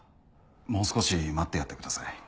もう少し待ってやってください。